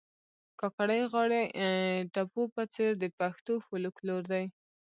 کاکړۍ غاړي ټپو په څېر د پښتو فولکور دي